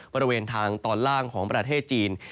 บริเวณทางตอนล่างของประเทศจีน